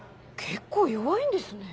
結構弱いんですね。